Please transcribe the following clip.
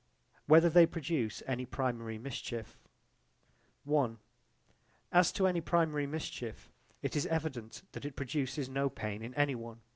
Whether they produce any primary mischief As to any primary mischief, it is evident that it produces no pain in anyone.